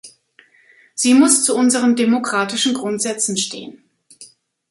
Sie muss zu unseren demokratischen Grundsätzen stehen.